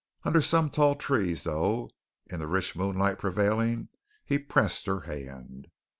Under some tall trees, though, in the rich moonlight prevailing, he pressed her hand.